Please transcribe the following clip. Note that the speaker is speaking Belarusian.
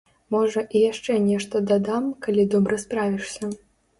Можа, і яшчэ нешта дадам, калі добра справішся.